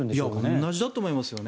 同じだと思いますよね。